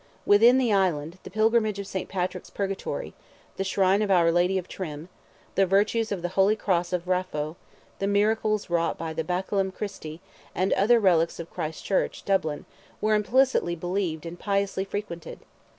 Within the island, the pilgrimage of Saint Patrick's purgatory, the shrine of our Lady of Trim, the virtues of the holy cross of Raphoe, the miracles wrought by the Baculum Christi, and other relics of Christ Church, Dublin, were implicitly believed and piously frequented.